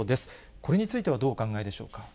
これについてはどうお考えでしょうか。